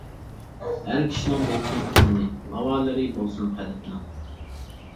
ھەر كىشىنىڭ بولسۇن ئاسمىنى، لاۋالىرى بولسۇن قەلبىنىڭ.